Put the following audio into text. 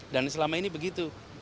dan selama ini begitu